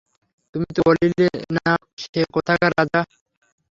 তুমি তো বলিলে না, সে কোথাকার রাজা?